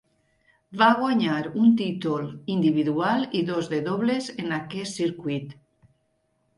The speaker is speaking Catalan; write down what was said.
Va guanyar un títol individual i dos de dobles en aquest circuit.